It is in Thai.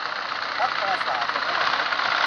รัฐประศาสนนัย